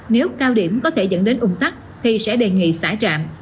nếu cao điểm có thể dẫn đến ung tác thì sẽ đề nghị xả trạm